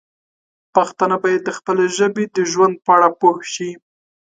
پښتانه باید د خپلې ژبې د ژوند په اړه پوه شي.